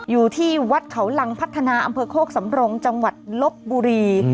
อยู่ที่วัดเขาลังพัฒนาอำเภอโคกสำรงจังหวัดลบบุรี